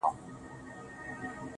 پوهېږم نه، يو داسې بله هم سته~